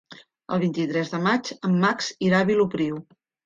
El vint-i-tres de maig en Max irà a Vilopriu.